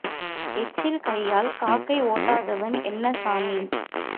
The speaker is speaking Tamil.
எச்சில் கையால் காக்கை ஓட்டாதவன் என்ன சாமி?